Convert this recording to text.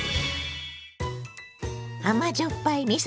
甘じょっぱいみそ